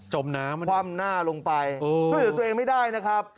จมน้ำคว่ำหน้าลงไปเพราะฉะนั้นตัวเองไม่ได้นะครับ